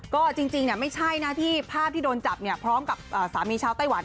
ก็จริงไม่ใช่นะพี่ภาพที่โดนจับเนี่ยพร้อมกับสามีชาวไต้หวัน